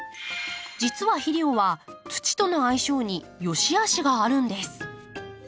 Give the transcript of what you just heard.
実は肥料は土との相性によしあしがあるんです。